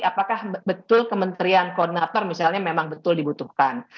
apakah betul kementerian koordinator misalnya memang betul dibutuhkan